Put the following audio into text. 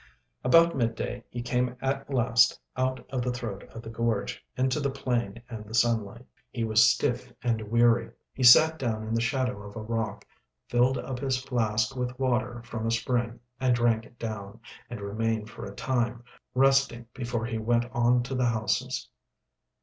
About midday he came at last out of the throat of the gorge into the plain and the sunlight. He was stiff and weary; he sat down in the shadow of a rock, filled up his flask with water from a spring and drank it down, and remained for a time, resting before he went on to the houses.